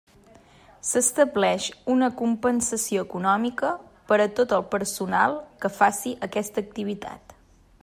S'estableix una compensació econòmica per a tot el personal que faci aquesta activitat.